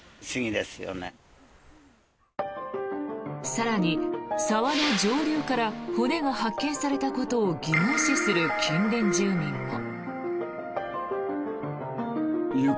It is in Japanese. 更に、沢の上流から骨が発見されたことを疑問視する近隣住民も。